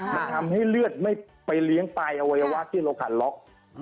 มันทำให้เลือดไม่ไปเลี้ยงปลายอวัยวะที่เราขัดล็อก